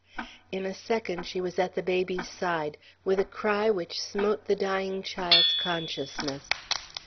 In a second she was at the baby's side, with a cry which smote the dying child's consciousness.